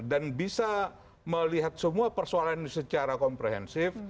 dan bisa melihat semua persoalan ini secara komprehensif